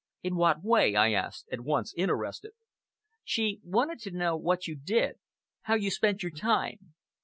"In what way?" I asked, at once interested. "She wanted to know what you did how you spent your time.